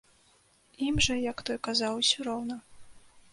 Ім жа, як той казаў, усё роўна.